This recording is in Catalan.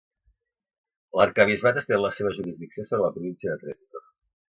L'arquebisbat estén la seva jurisdicció sobre la província de Trento.